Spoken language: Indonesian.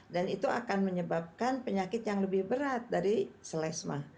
dan itu akan menyebabkan penyakit yang lebih berat dari selesma